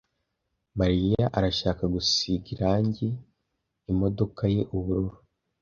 Mariya arashaka gusiga irangi imodoka ye ubururu.